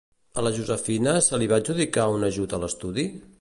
A la Josefina se li va adjudicar un ajut a l'estudi?